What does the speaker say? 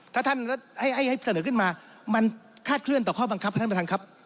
ถ้าท่านให้เสนอขึ้นมามันคาดเคลื่อนต่อข้อบังคับครับ